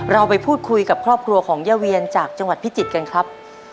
เราไปพูดคุยกับครอบครัวของย่าเวียนจากจังหวัดพิจิตรกันครับ